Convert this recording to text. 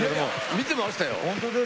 見てましたよ。